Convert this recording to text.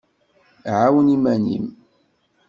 Ɛawen iman-im.